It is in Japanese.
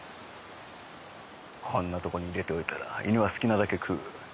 こんなとこに入れておいたら犬は好きなだけ食う。